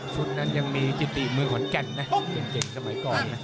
ชุดนั้นยังมีจิติเมืองขอนแก่นนะเด็กสมัยก่อนนะ